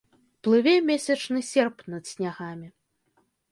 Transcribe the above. Плыве месячны серп над снягамі.